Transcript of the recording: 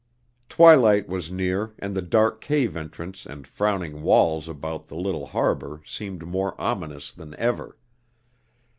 Twilight was near and the dark cave entrance and frowning walls about the little harbor seemed more ominous than ever.